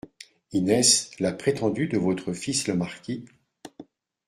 Inès, la prétendue de votre fils le marquis ?